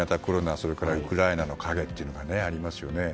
それからウクライナの影というのがありますよね。